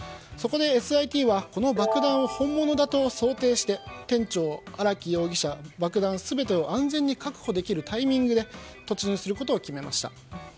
そこで、ＳＩＴはこの爆弾を本物だと想定して店長、荒木容疑者、爆弾全てを安全に確保できるタイミングで突入することを決めました。